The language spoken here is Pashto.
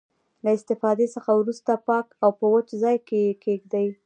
له استفادې څخه وروسته پاک او په وچ ځای کې یې کیږدئ.